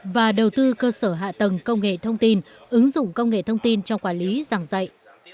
và đầu tư cơ sở hạ tầng công nghệ thông tin ứng dụng công nghệ thông tin cho quản lý giảng dạy